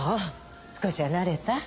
少しは慣れた？